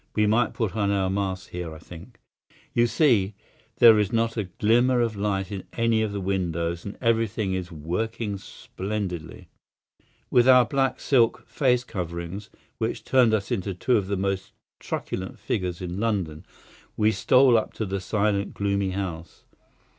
We might put on our masks here, I think. You see, there is not a glimmer of light in any of the windows, and everything is working splendidly." With our black silk face coverings, which turned us into two of the most truculent figures in London, we stole up to the silent, gloomy house.